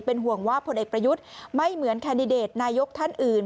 ห่วงว่าผลเอกประยุทธ์ไม่เหมือนแคนดิเดตนายกท่านอื่น